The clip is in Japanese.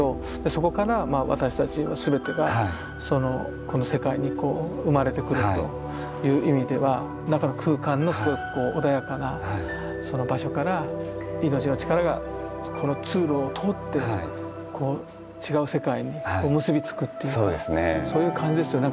そこから私たち全てがこの世界にこう生まれてくるという意味では中の空間のすごくこう穏やかな場所から命の力がこの通路を通って違う世界に結び付くっていうかそういう感じですよね。